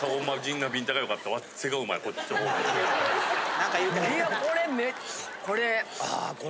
何か言うてはる。